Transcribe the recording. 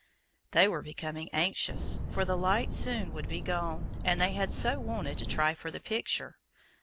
They were becoming anxious, for the light soon would be gone, and they had so wanted to try for the picture.